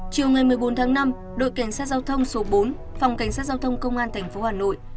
chiều ngày một mươi bốn tháng năm đội cảnh sát giao thông số bốn phòng cảnh sát giao thông công an tp hà nội